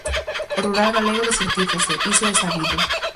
O rural galego desertízase, iso é sabido.